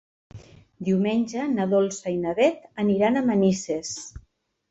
Diumenge na Dolça i na Beth aniran a Manises.